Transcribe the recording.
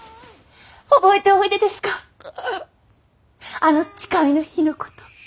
あの誓いの日のこと。